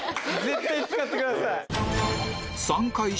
絶対使ってください。